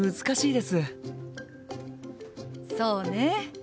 そうね。